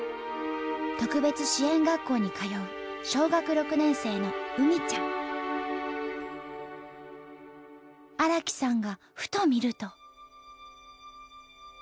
特別支援学校に通う小学６年生の荒木さんがふと見ると。